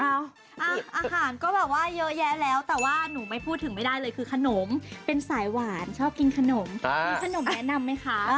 อาหารก็แบบว่าเยอะแยะแล้วแต่ว่าหนูไม่พูดถึงไม่ได้เลยคือขนมเป็นสายหวานชอบกินขนมมีขนมแนะนำไหมคะ